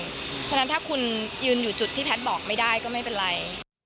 เพราะฉะนั้นถ้าคุณยืนอยู่จุดที่แพทย์บอกไม่ได้ก็ไม่เป็นไร